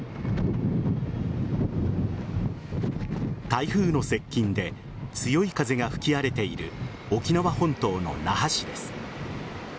台風の接近で強い風が吹き荒れている沖縄本島の那覇市です。